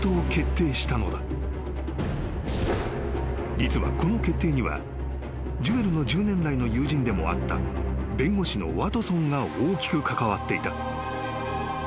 ［実はこの決定にはジュエルの十年来の友人でもあった弁護士のワトソンが大きく関わっていた］